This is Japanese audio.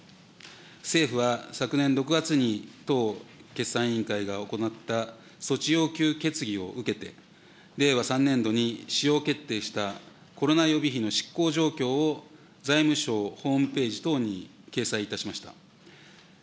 政府は昨年６月にとう決算委員会が行った措置要求決議を受けて、令和３年度に使用決定したコロナ予備費の執行状況を財務省ホームページ等に掲載いたしました。